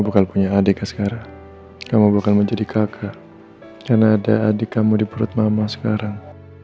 bukan punya adik sekarang kamu bukan menjadi kakak karena ada adik kamu di perut mama sekarang